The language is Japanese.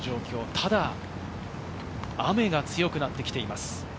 ただ、雨が強くなってきています。